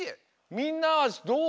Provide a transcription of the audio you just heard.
みんなどう？